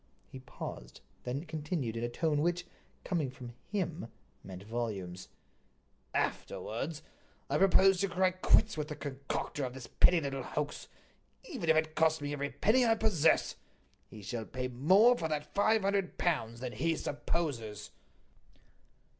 He paused, then continued in a tone which, coming from him, meant volumes: "Afterwards, I propose to cry quits with the concocter of this pretty little hoax, even if it costs me every penny I possess. He shall pay more for that five hundred pounds than he supposes."